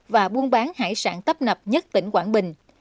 và buôn bán hải sản tấp nập nhất tỉnh quảng bình